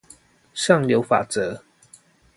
上流法則